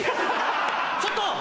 ちょっと！